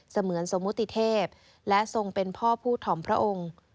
เหมือนสมมุติเทพและทรงเป็นพ่อผู้ถ่อมพระองค์